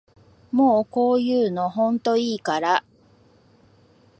もうこういうのほんといいから